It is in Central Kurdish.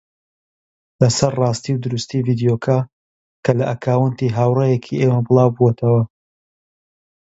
لەسەر ڕاستی و دروستی ڤیدیۆکە کە لە ئەکاونتی هاوڕێیەکی ئێمە بڵاوبووەتەوە